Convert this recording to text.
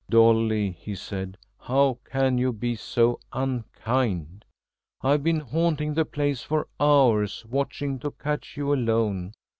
"Dolly," he said, "how can you be so unkind? I've been haunting the place for hours, watching to catch you alone.